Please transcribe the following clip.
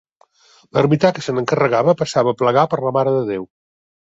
L'ermità que se n'encarregava passava a plegar per la Mare de Déu.